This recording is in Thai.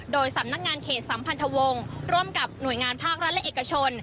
โดยสำนักงานเขตสัมพันธวงศ์ร่วมกับหน่วยงานภาครัฐและเอกชน